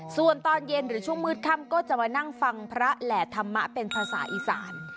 ส่วนตอนเย็นหรือช่วงมืดค่ำก็จะมานั่งฟังพระแหล่ธรรมะเป็นภาษาอีสาน